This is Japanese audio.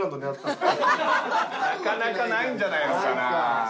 なかなかないんじゃないのかな。